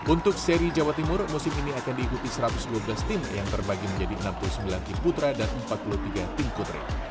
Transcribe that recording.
untuk seri jawa timur musim ini akan diikuti satu ratus dua belas tim yang terbagi menjadi enam puluh sembilan tim putra dan empat puluh tiga tim putri